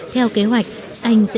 theo kế hoạch anh sẽ rời eu